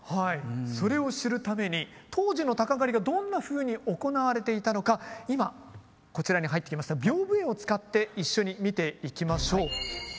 それを知るために当時の鷹狩りがどんなふうに行われていたのか今こちらに入ってきましたびょうぶ絵を使って一緒に見ていきましょう。